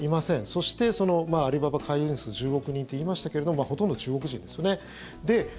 そして、アリババ会員数１０億人って言いましたけどほとんど中国人ですよね。